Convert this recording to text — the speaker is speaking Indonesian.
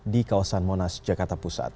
di kawasan monas jakarta pusat